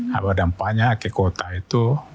nah berdampaknya ke kota itu